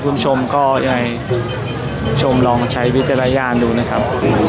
คุณผู้ชมก็อยากให้ชมลองใช้วิทยาลัยยารณ์ดูนะครับ